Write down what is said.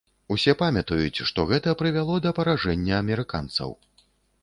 Усё памятаюць, што гэта прывяло да паражэння амерыканцаў.